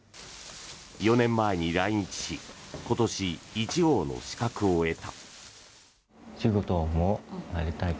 ４年前に来日し今年、１号の資格を得た。